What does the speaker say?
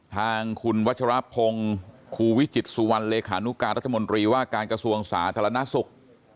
ทางคุณวัชรพงศ์ครูวิจิตสุวรรณเลขานุการรัฐมนตรีว่าการกระทรวงสาธารณสุข